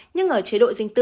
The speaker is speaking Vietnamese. nhưng ở chế độ dinh tư